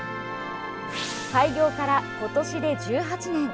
開業から今年で１８年。